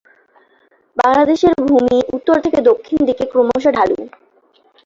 বাংলাদেশের ভূমি উত্তর হতে দক্ষিণ দিকে ক্রমশ ঢালু।